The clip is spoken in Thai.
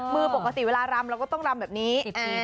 ปกติเวลารำเราก็ต้องรำแบบนี้